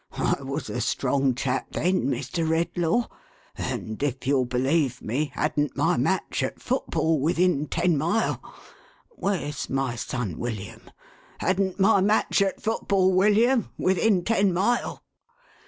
I was a strong chap then, Mr. Redlaw; and, if you'll believe me, hadn't my match at foot ball within ten mile. Where's my son William ? Hadn't my match at foot ball, William, within ten mile